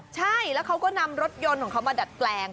ใช่แล้วเขาก็นำรถยนต์ของเขามาดัดแปลง